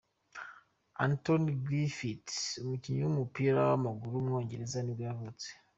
Anthony Griffith, umukinnyi w’umupira w’amaguru w’umwongereza nibwo yavutse.